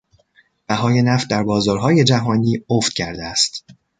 بهای نفت در بازارهای جهانی افت کرده است.